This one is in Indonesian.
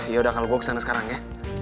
yaudah kal gue ke sana sekarang ya